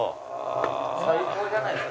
最高じゃないですか。